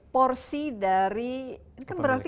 porsi dari ini kan berarti